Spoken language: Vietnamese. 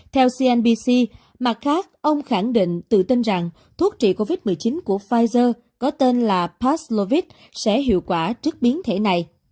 theo cnbc mặt khác ông khẳng định tự tin rằng thuốc trị covid một mươi chín của pfizer có tên là passlovit sẽ hiệu quả trước biến thể này